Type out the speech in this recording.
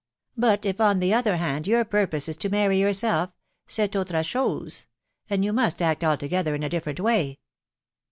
But if, on the other hand, your purpose is to marry yourself, set o tra thews, and you must act altogether in a different way."